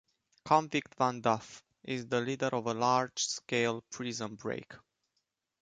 Convict Van Duff is the leader of a large-scale prison break.